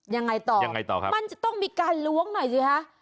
ยังไงต่อมันจะต้องมีการล้วงหน่อยสิฮะยังไงต่อ